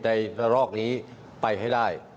ในระลอกนี้ไปให้ได้